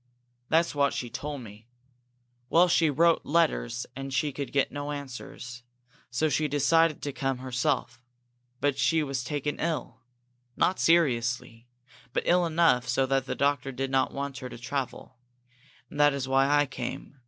"That's what she told me. Well, she wrote letters and she could get no answers. So she decided to come herself. But she was taken ill. Not seriously, but ill enough so that the doctor did not want her to travel. And that was why I came.